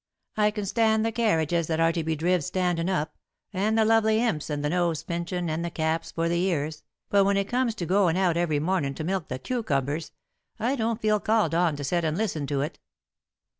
"I can stand the carriages that are to be driv' standin' up, and the lovely imps and the nose pinchin' and the caps for the ears, but when it comes to goin' out every mornin' to milk the cucumbers, I don't feel called on to set and listen to it.